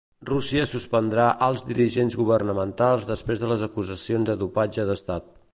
Rússia suspendrà alts dirigents governamentals després de les acusacions de dopatge d'estat.